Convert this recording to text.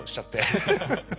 ハハハッ！